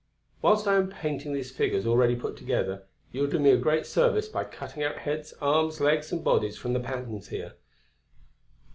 Whilst I am painting these figures already put together, you will do me a great service by cutting out heads, arms, legs, and bodies from the patterns here.